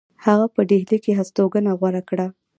هغه په ډهلی کې هستوګنه غوره کړه.